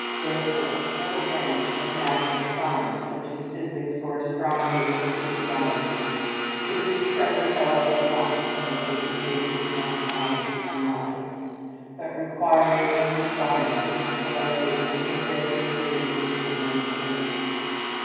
Therefore, no branch of natural science, such as physics, or astronomy, or physiology could be discovered all at once, as was the case with mathematics and logic, but required and requires the collected and compared experiences of many centuries.